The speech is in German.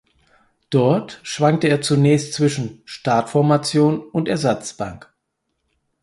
Dort schwankte er zunächst zwischen Startformation und Ersatzbank.